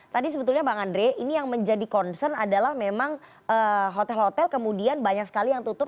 tadi sebetulnya bang andre ini yang menjadi concern adalah memang hotel hotel kemudian banyak sekali yang tutup